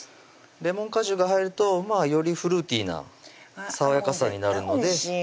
レモン果汁が入るとよりフルーティーな爽やかさになるので絶対おいしい